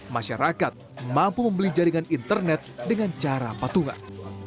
masyarakat mampu membeli jaringan internet dengan cara patungan